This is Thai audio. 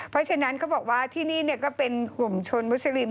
เพราะฉะนั้นเขาบอกว่าที่นี่ก็เป็นกลุ่มชนมุสลิม